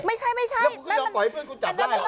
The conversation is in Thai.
ไม่ใช่แล้วคุณยอมปลอดภัยให้เพื่อนคุณจับได้เหรอ